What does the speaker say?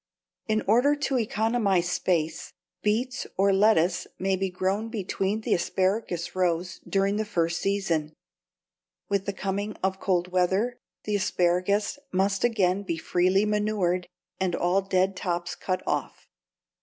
In order to economize space, beets or lettuce may be grown between the asparagus rows during this first season. With the coming of cold weather the asparagus must again be freely manured and all dead tops cut off.